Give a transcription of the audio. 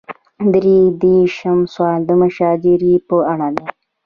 درې دېرشم سوال د مشاجرې په اړه دی.